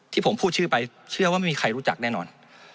ที่ผมพูดชื่อไปเชื่อว่าไม่มีใครรู้จักแน่นอน